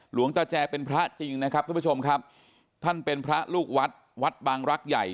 หลวงตาแจเป็นพระจริงนะครับทุกผู้ชมครับท่านเป็นพระลูกวัดวัดบางรักใหญ่